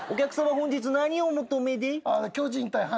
本日何をお求めで？